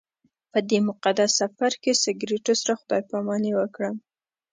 په دې مقدس سفر کې سګرټو سره خدای پاماني وکړم.